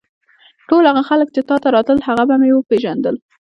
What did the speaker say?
ټول هغه خلک چې تا ته راتلل هغه به مې وپېژندل.